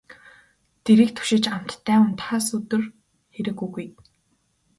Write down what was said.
Дэрийг түшиж амттай унтахаас өдөр хэрэг үгүй.